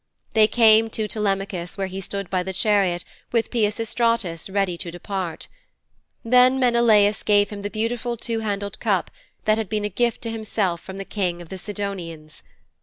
They came to Telemachus where he stood by the chariot with Peisistratus ready to depart. Then Menelaus gave him the beautiful two handled cup that had been a gift to himself from the king of the Sidonians.